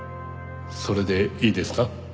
それでいいですか？